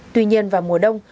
tuy nhiên vào mùa đông